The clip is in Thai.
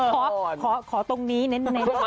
ขอตรงนี้เน้น